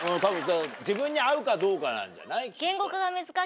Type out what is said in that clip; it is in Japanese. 自分に合うかどうかなんじゃない？